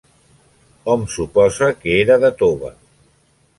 Hom suposa que era de tova.